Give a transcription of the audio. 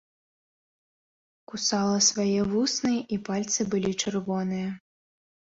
Кусала свае вусны, і пальцы былі чырвоныя.